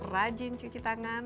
rajin cuci tangan